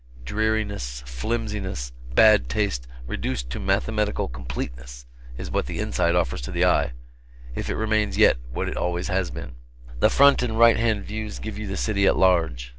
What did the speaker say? Dreariness, flimsiness, bad taste reduced to mathematical completeness is what the inside offers to the eye, if it remains yet what it always has been. The front and right hand views give you the city at large.